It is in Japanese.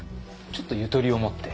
ちょっとゆとりを持って。